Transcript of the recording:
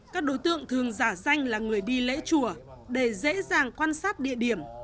các đối tượng thường giả danh là người đi lễ chùa để dễ dàng quan sát địa điểm